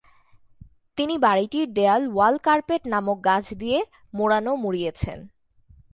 তিনি বাড়িটির দেয়াল ওয়াল কার্পেট নামক গাছ দিয়ে মোড়ানো মুড়িয়েছেন।